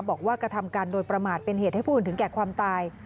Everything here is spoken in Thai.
กระทำการโดยประมาทเป็นเหตุให้ผู้อื่นถึงแก่ความตาย